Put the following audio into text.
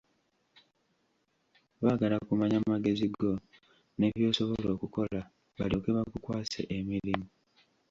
Baagala kumanya magezi go ne by'osobola okukola, balyoke bakukwase emirimu.